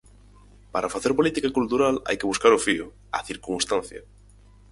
Para facer política cultural hai que buscar o fío, a circunstancia.